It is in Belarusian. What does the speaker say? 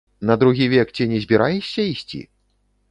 На другі век ці не збіраешся ісці?